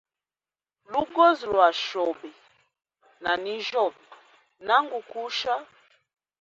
Lugozi lwa chobe na ninjyobe, nangu kusha.